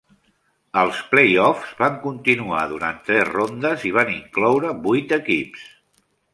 Els play-offs van continuar durant tres rondes i van incloure vuit equips.